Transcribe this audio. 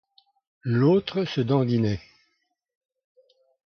L’autre se dandinait.